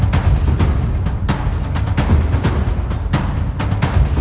ติดตามต่อไป